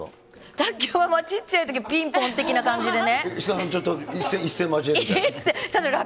卓球は、ちっちゃいときにピンポン的な感じでね。